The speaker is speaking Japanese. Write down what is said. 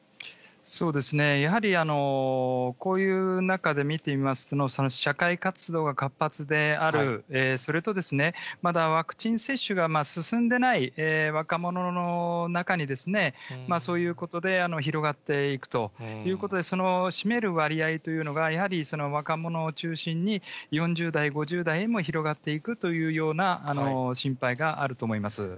やはりこういう中で見てみますと、社会活動が活発である、それとまだワクチン接種が進んでない若者の中に、そういうことで広がっていくということで、占める割合というのが、やはり若者を中心に、４０代、５０代へも広がっていくというような心配があると思います。